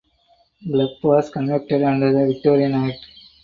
Clubb was convicted under the Victorian Act.